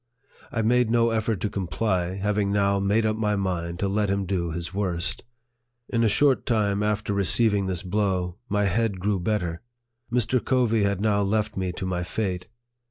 I made no effort to comply, having now made up my mind to let him do his worst. In a short time after receiving this blow, my head grew better. Mr. Covey had now left me to my fate.